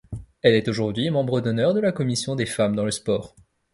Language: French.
Elle est aujourd'hui membre d'honneur de la commission des femmes dans le sport.